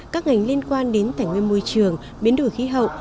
các ngành liên quan đến tài nguyên môi trường biến đổi khí hậu